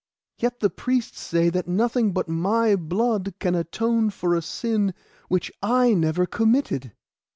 Yet the priests say that nothing but my blood can atone for a sin which I never committed.